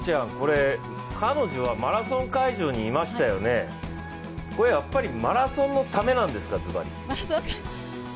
彼女はマラソン会場にいましたよね、これ、やっぱりマラソンのためなんですか、ずばり？